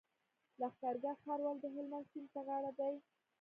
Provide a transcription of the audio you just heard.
لښکرګاه ښار ولې د هلمند سیند په غاړه دی؟